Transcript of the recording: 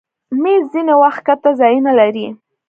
مېز ځینې وخت ښکته ځایونه لري.